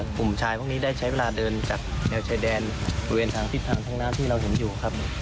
กลุ่มชายพวกนี้ได้ใช้เวลาเดินจากแนวชายแดนบริเวณทางทิศทางท่องน้ำที่เราเห็นอยู่ครับ